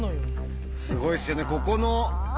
すごいですよね